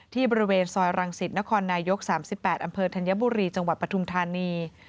ที่บริเวณซอยรังสิตนครนายก๓๘อำเภอธัญบุรีจังหวัดปทุมธานี